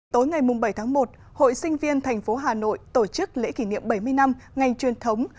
tối ngày bảy tháng một hội sinh viên thành phố hà nội tổ chức lễ kỷ niệm bảy mươi năm ngành truyền thống